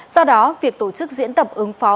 sau đó việc tổ chức diễn tập ứng phó